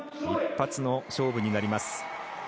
一発の勝負になります。